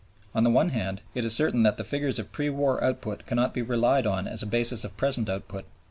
On the one hand, it is certain that the figures of pre war output cannot be relied on as a basis of present output.